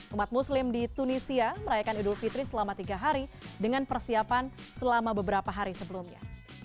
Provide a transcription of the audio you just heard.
umat muslim di tunisia merayakan idul fitri selama tiga hari dengan persiapan selama beberapa hari sebelumnya